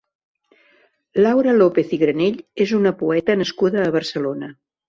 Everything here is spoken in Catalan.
Laura López i Granell és una poeta nascuda a Barcelona.